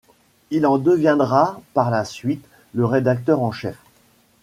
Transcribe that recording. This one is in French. Il en deviendra par la suite le rédacteur en chef.